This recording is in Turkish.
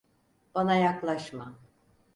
Bana yaklaşma!